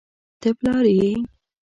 ته پلار لرې